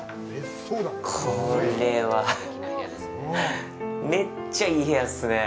これは、めっちゃいい部屋っすね。